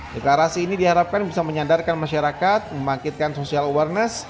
deklarasi ini diharapkan bisa menyadarkan masyarakat membangkitkan social awareness